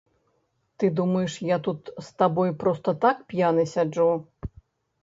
Ты думаеш, я тут з табой проста так п'яны сяджу?